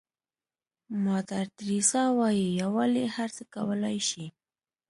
مادر تریسا وایي یووالی هر څه کولای شي.